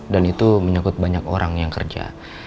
dan itu menyangkut banyak orang yang kerja